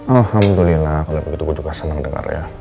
alhamdulillah kalau begitu gue juga senang dengar ya